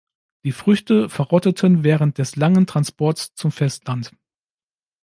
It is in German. Die Früchte verrotteten während des langen Transports zum Festland.